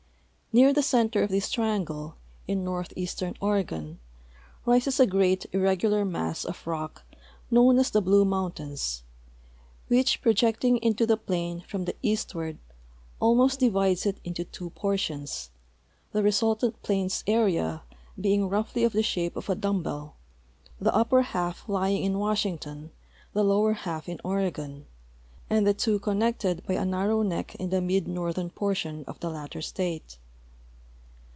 Near the center of this triangle, in northeastern Ore gon, rises a great, irregular mass of rock known as the Blue mountains, Avhich projecting into the ])lain from the eastward almost divides it into two portions, the resultant plains area being roughly of the shape of a dumb bell, the u^iper half lying in Washington, the lower half in Oregon, and the two connected by a narrow neck in the mid northern portion of the latter state.